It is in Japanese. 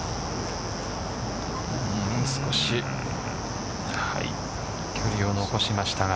少し距離を残しましたが。